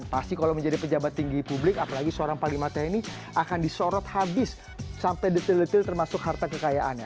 dan pasti kalau menjadi pejabat tinggi publik apalagi seorang pak limata ini akan disorot habis sampai detil detil termasuk harta kekayaannya